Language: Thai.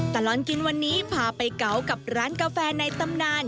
ตลอดกินวันนี้พาไปเก๋ากับร้านกาแฟในตำนาน